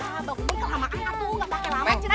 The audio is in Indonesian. mbak mumun kelamaan kan aku enggak pakai lama